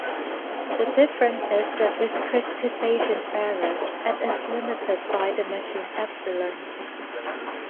The difference is the discretization error and is limited by the machine epsilon.